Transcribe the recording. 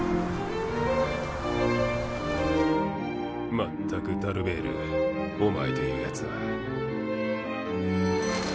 まったくダルベールおまえというやつは。